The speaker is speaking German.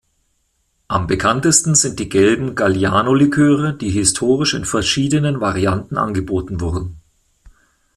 Am bekanntesten sind die gelben Galliano-Liköre, die historisch in verschiedenen Varianten angeboten wurden.